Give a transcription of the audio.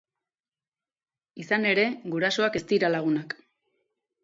Izan ere, gurasoak ez dira lagunak.